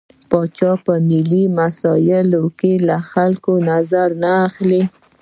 پاچا په ملي مسايلو کې له خلکو نظر نه اخلي.